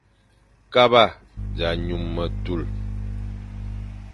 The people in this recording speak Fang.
Kaba za nyum metul,